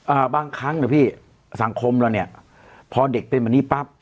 อ่าบางครั้งนะพี่สังคมเราเนี้ยพอเด็กเป็นแบบนี้ปั๊บ